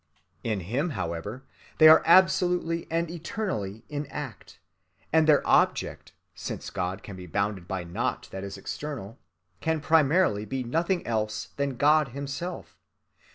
In Him, however, they are absolutely and eternally in act, and their object, since God can be bounded by naught that is external, can primarily be nothing else than God himself.